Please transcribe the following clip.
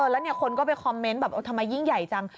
แล้วคนก็ไปคอมเมนต์แบบทำไมยิ่งใหญ่จัง